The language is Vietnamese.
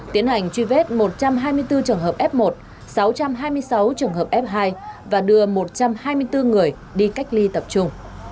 tiến hành truy vết một trăm hai mươi bốn trường hợp f một sáu trăm hai mươi sáu trường hợp f hai và đưa một trăm hai mươi bốn người đi cách ly tập trung